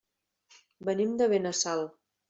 Venim de Benassal.